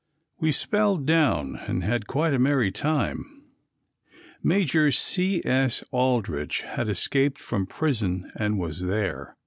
We spelled down and had quite a merry time. Major C. S. Aldrich had escaped from prison and was there.